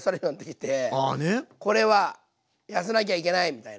これは痩せなきゃいけないみたいな。